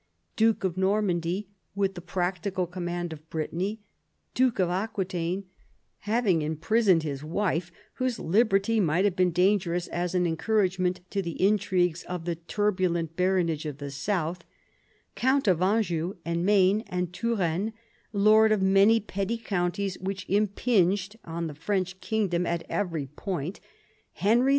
Duke of Normandy, with the practical command of Brittany ; duke of Aquitaine, having imprisoned his wife, whose liberty might have been dangerous as an encouragement to the intrigues of the turbulent baronage of the south ; count of Anjou, and Maine, and Touraine, lord of many petty counties which impinged on the French kingdom at every point, Henry II.